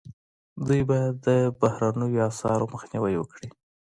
دولت باید د بهرنیو اسعارو مخنیوی وکړي.